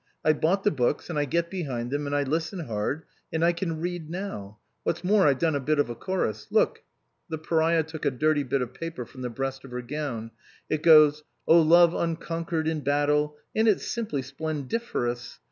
I've bought the books, and I get behind them and I listen hard, and I can read now. What's more, I've done a bit of a chorus. Look " The pariah took a dirty bit of paper from the breast of her gown. " It goes, ' Oh Love unconquered in battle,' and it's simply splendiferous.